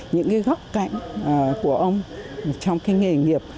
những cái góc cạnh của ông trong cái nghề nghiệp